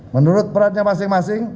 menurut perannya masing masing